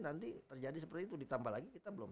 nanti terjadi seperti itu ditambah lagi kita belum